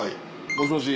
もしもし。